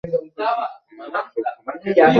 মুখ চক্ষু বিকৃত করিয়া চুপ করিয়া বসিয়া থাকিতেন।